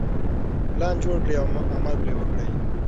پلان جوړ کړئ او عمل پرې وکړئ.